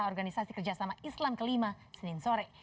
organisasi kerjasama islam ke lima senin sore